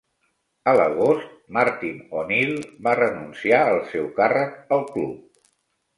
A l'agost, Martin O'Neill va renunciar al seu càrrec al club.